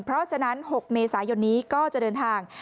เพราะฉะนั้น๖เมษายนนี้ก็จะเดินทาง